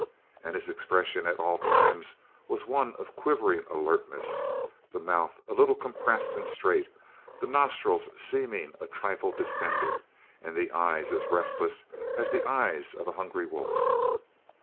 And his expression at all times was one of quivering alertness the mouth a little compressed and straight, the nostrils seeming a trifle distended, and the eyes as restless as the eyes of a hungry wolf.